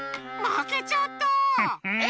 まけちゃった！